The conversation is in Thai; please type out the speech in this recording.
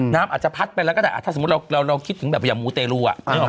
น้ำอาจจะพัดไปแล้วก็ได้ถ้าสมมุติเราคิดถึงแบบอย่างมูเตรลูอ่ะ